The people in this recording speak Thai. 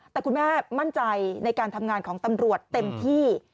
แต่คุณแม่มั่นใจในการทำงานของตำรวจเต็มที่